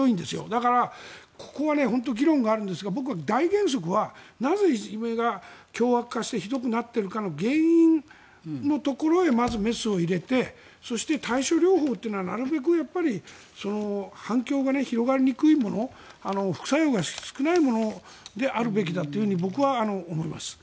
だから、ここは議論があるんですが僕は、大原則はなぜいじめが凶悪化してひどくなっているかの原因のところへまずメスを入れてそして、対症療法というのはなるべく反響が広がりにくいもの副作用が少ないものであるべきだと僕は思います。